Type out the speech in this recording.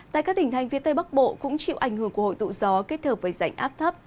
tại các tỉnh thành phía tây bắc bộ cũng chịu ảnh hưởng của hội tụ gió kết hợp với rãnh áp thấp